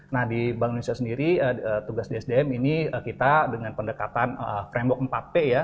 nah di bank indonesia sendiri tugas dsdm ini kita dengan pendekatan framework empat p ya